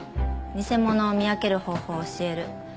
「偽者を見分ける方法を教える」